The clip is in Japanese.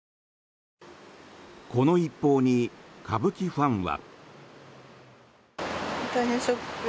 この一報に歌舞伎ファンは。